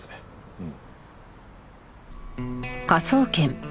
うん。